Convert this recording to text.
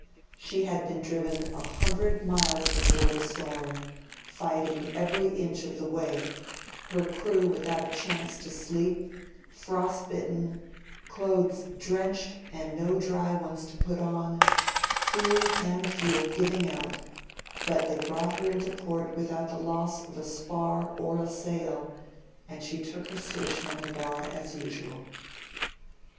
She had been driven 100 miles before the storm, fighting every inch of the way, her crew without a chance to sleep, frost bitten, clothes drenched and no dry ones to put on, food and fuel giving out, but they brought her into port without the loss of a spar or a sail, and she took her station on the bar as usual.